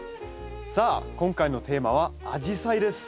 さあ今回のテーマはアジサイです。